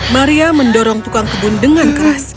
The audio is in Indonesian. maria mendorong tukang kebun dengan keras